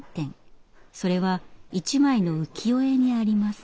それは一枚の浮世絵にあります。